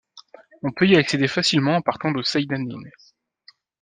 On peut y accéder facilement en partant de Seyda Nihyn.